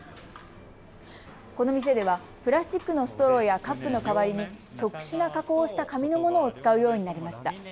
この店ではプラスチックのストローやカップの代わりに特殊な加工をした紙のものを使うようになりました。